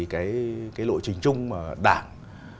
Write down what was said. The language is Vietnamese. cái lộ trình chung mà đảng